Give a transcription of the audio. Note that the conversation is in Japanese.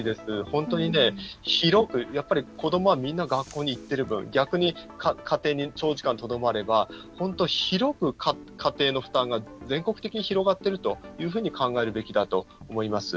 本当に広く、やっぱり子どもはみんな学校に行っている分逆に家庭に長時間とどまれば本当、広く家庭の負担が全国的に広がってるというふうに考えるべきだと思います。